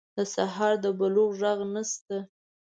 د سهار د بلوغ ږغ نشته